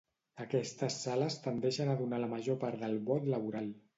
Aquestes sales tendeixen a donar la major part del vot laboral.